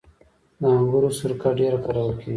د انګورو سرکه ډیره کارول کیږي.